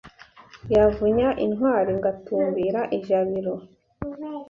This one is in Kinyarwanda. Yavunya intwari ngatumbira i Jabiro